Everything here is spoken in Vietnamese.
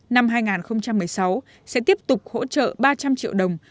năm hai nghìn một mươi sáu sẽ tiếp tục hỗ trợ ba trăm linh triệu đồng